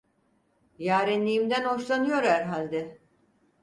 Yarenliğimden hoşlanıyor herhalde…